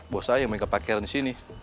bos saya yang main kepakeran disini